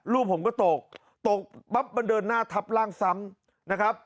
ลูกผมก็ตกตกปั๊บมันเดินหน้าทับร่างซ้ำนะครับ